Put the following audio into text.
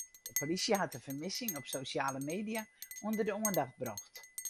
De polysje hat de fermissing op sosjale media ûnder de oandacht brocht.